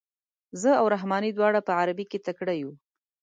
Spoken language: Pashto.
زه او رحماني دواړه په عربي کې تکړه یو.